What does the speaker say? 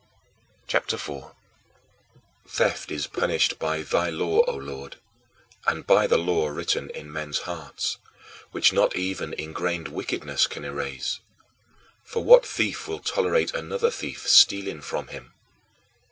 CHAPTER IV 9. Theft is punished by thy law, O Lord, and by the law written in men's hearts, which not even ingrained wickedness can erase. For what thief will tolerate another thief stealing from him?